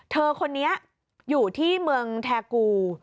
เธอคนนี้อยู่ที่เมืองแทกู